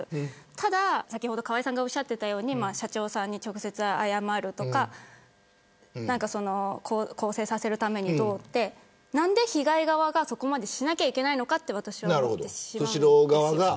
ただ、先ほど河井さんがおっしゃっていたように社長さんに直接謝るとか更生させるためにどうとか何で被害側がそこまでしなきゃいけないのかと思います。